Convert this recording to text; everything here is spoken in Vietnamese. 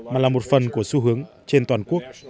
mà là một phần của xu hướng trên toàn quốc